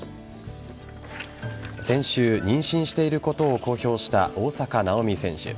先週、妊娠していることを公表した大坂なおみ選手。